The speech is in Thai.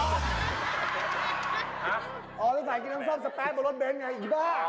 ฮะอ๋อต้องใส่กินน้ำซ่อมสแป๊ดบนรถเบนไงอีกบ้า